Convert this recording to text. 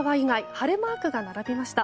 晴れマークが並びました。